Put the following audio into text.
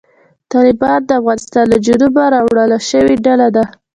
طالبان د افغانستان له جنوبه راولاړه شوې ډله ده.